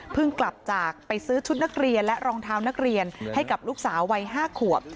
กลับจากไปซื้อชุดนักเรียนและรองเท้านักเรียนให้กับลูกสาววัย๕ขวบ